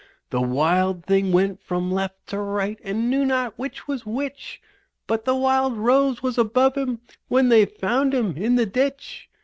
The wild thing went from left to right and knew not which was which, But the wild rose was above him when they found him in the ditch.